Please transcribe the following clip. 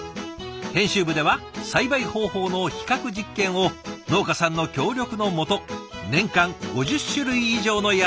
編集部では栽培方法の比較実験を農家さんの協力のもと年間５０種類以上の野菜で行っています。